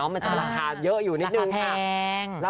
มันจะประคานเยอะอยู่นิดหนึ่งค่ะ